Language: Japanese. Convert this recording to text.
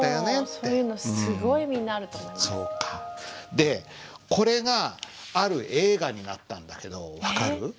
そういうのこれがある映画になったんだけど分かる？